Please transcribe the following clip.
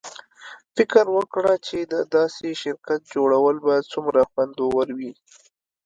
فکر وکړه چې د داسې شرکت جوړول به څومره خوندور وي